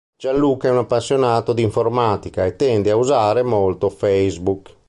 Gianluca è un appassionato di informatica e tende a usare molto Facebook.